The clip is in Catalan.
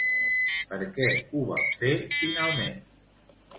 Per què ho van fer finalment?